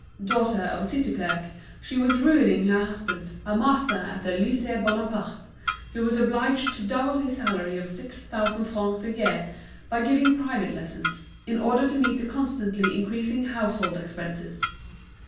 Daughter of a city clerk, she was ruining her husband, a master at the Lycée Bonaparte, who was obliged to double his salary of six thousand francs a year by giving private lessons, in order to meet the constantly increasing household expenses.